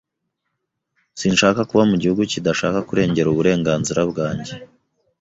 Sinshaka kuba mu gihugu kidashaka kurengera uburenganzira bwanjye.